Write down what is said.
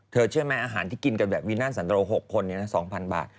เธอเชื่อมั้ยอาหารที่กินกับแบบวินาสันโตร๖คนเนี่ยนะ๒๐๐๐บาท